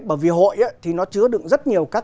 bởi vì hội thì nó chứa đựng rất nhiều các